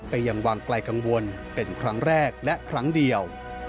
ยังวางไกลกังวลเป็นครั้งแรกและครั้งเดียว